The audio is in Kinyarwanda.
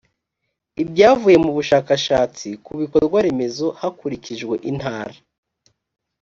ibyavuye mu bushakashatsi ku bikorwa remezo hakurikijwe intara